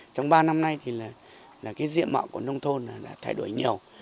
trong ba năm nay thì là cái diện mạo của nông thôn đã thay đổi nhiều